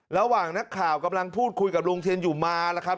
ระหว่างนักข่าวกำลังพูดคุยกับลุงเทียนอยู่มาแล้วครับ